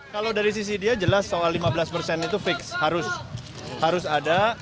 kalau dari sisi dia jelas soal lima belas persen itu fix harus ada